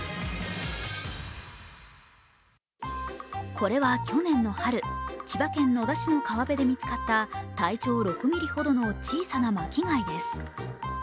これは去年の春、千葉県野田市の川で見つかった体長６ｍｍほどの小さな巻き貝です。